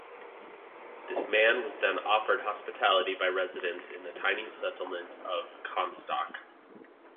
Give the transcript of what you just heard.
This man was then offered hospitality by residents in the tiny settlement of Comstock.